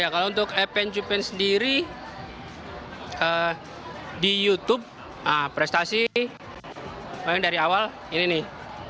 kalau untuk evan cupan sendiri di youtube prestasi dari awal ini nih